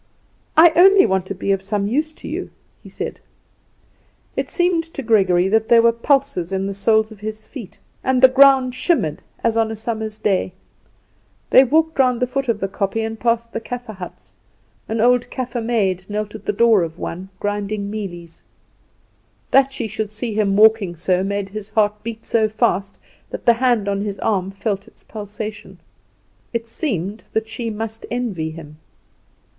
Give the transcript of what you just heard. "I only want to be of some use to you," he said. It seemed to Gregory that there were pulses in the soles of his feet, and the ground shimmered as on a summer's day. They walked round the foot of the kopje and past the Kaffer huts. An old Kaffer maid knelt at the door of one grinding mealies. That she should see him walking so made his heart beat so fast, that the hand on his arm felt its pulsation. It seemed that she must envy him.